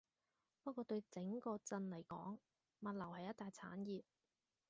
不過對整個鎮嚟講，物流係一大產業